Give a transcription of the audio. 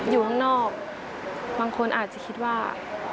อยู่ข้างนอกบางคนอาจจะคิดว่า